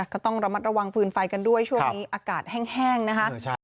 ก็ต้องระมัดระวังฟืนไฟกันด้วยช่วงนี้อากาศแห้งนะคะ